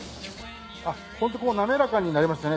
あっホントこう滑らかになりましたね